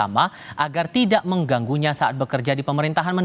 beri dukungan di komentar